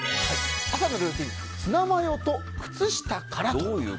朝のルーティンはツナマヨと靴下からと。